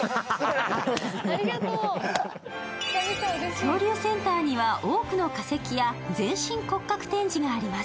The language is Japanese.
恐竜センターには多くの化石や全身骨格展示があります。